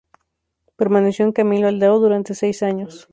Permaneció en Camilo Aldao durante seis años.